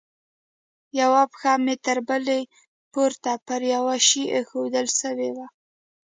يوه پښه مې تر بلې پورته پر يوه شي ايښوول سوې وه.